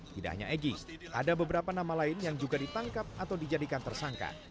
tidak hanya egy ada beberapa nama lain yang juga ditangkap atau dijadikan tersangka